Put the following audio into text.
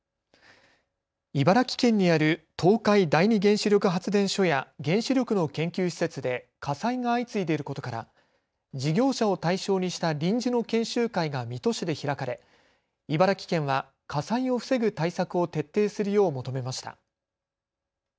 茨城県にある東海第二原子力発電所や原子力の研究施設で火災が相次いでいることから事業者を対象にした臨時の研修会が水戸市で開かれ茨城県は火災を防ぐ対策を徹底するよう求めました。